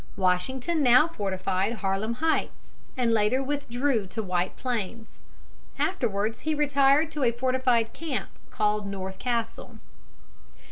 Washington now fortified Harlem Heights, and later withdrew to White Plains. Afterwards he retired to a fortified camp called North Castle.